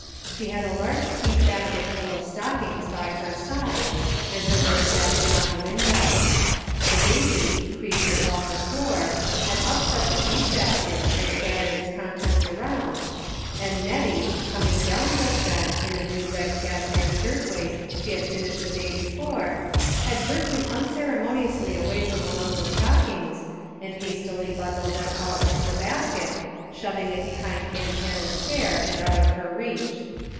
She had a large peach basket full of stockings by her side, and her workbasket on the window. The baby, creeping about the floor, had upset the peach basket and scattered its contents around, and Nettie, coming down just then in a new red cashmere shirt waist she had finished the day before, had jerked him unceremoniously away from among the stockings and hastily bundled them all into the basket, shoving it behind aunt Hannah's chair and out of her reach.